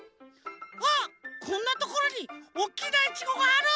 あっこんなところにおっきなイチゴがある！